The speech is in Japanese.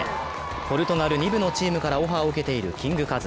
ポルトガル２部のチームからオファーを受けているキングカズ。